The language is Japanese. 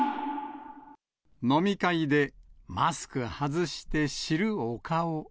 飲み会でマスクはずして知る